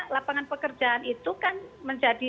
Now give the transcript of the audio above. lapangan pekerjaan itu kan menjadi